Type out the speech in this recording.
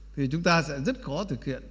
thì chúng ta sẽ rất khó thực hiện